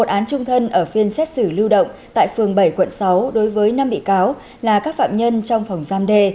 một án trung thân ở phiên xét xử lưu động tại phường bảy quận sáu đối với năm bị cáo là các phạm nhân trong phòng giam đề